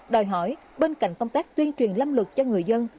đòi hỏi bên cạnh công tác tuyên truyền lâm lực cho người dân